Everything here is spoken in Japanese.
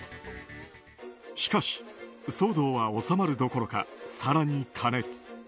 しかし、騒動は収まるどころか更に過熱。